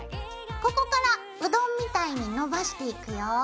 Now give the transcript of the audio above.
ここからうどんみたいに伸ばしていくよ。